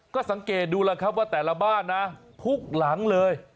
ก็สังเกตดูแล้วครับว่าแต่ละบ้านนะทุกหลังเลย